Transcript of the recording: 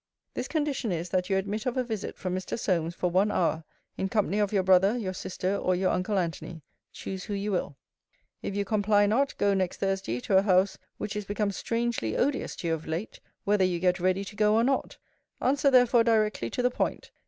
This condition is, that you admit of a visit from Mr. Solmes, for one hour, in company of your brother, your sister, or your uncle Antony, choose who you will. If you comply not, go next Thursday to a house which is become strangely odious to you of late, whether you get ready to go or not. Answer therefore directly to the point.